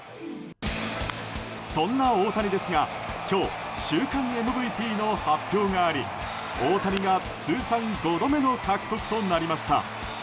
そんな大谷ですが今日、週間ＭＶＰの発表があり大谷が通算５度目の獲得となりました。